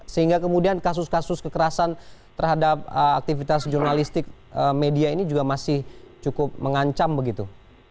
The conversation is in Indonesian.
sehingga kemudian kasus kasus kekerasan terhadap aktivitas jurnalistik media ini juga masih cukup mengancam begitu